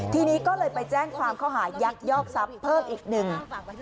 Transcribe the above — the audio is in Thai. ทีนี้ก็เลยไปแจ้งความเขาหายักยอกทรัพย์เพิ่มอีกหนึ่ง